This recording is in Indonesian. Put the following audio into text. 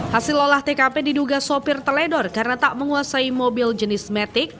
hasil olah tkp diduga sopir teledor karena tak menguasai mobil jenis matic